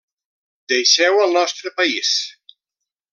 Deixeu el nostre país!